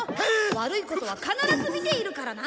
悪いことは必ず見ているからな！